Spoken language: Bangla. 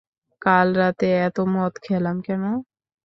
কাল রাতে এতো মদ খেলাম কেনো!